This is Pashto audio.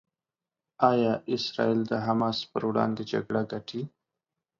ایا اسرائیل د حماس پر وړاندې جګړه ګټي؟